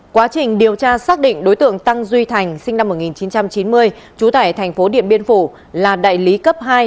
quá trình điều tra xác định đối tượng tăng duy thành sinh năm một nghìn chín trăm chín mươi trú tại thành phố điện biên phủ là đại lý cấp hai